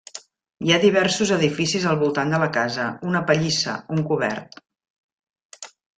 Hi ha diversos edificis al voltant de la casa: una pallissa, un cobert.